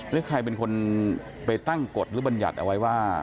หรือใครเป็นคนไปตั้งกฎหรือบรรยัติเอาไว้ว่า